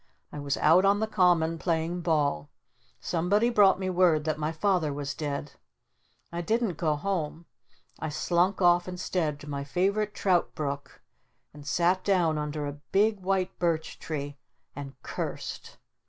I was out on the Common playing ball. Somebody brought me word that my Father was dead. I didn't go home. I slunk off instead to my favorite trout brook and sat down under a big white birch tree and cursed!